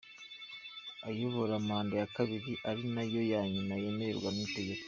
Ayoboye manda ya kabiri ari nayo yanyuma yemererwa n’ itegeko.